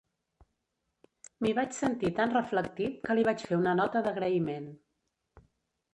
M'hi vaig sentir tan reflectit que li vaig fer una nota d'agraïment.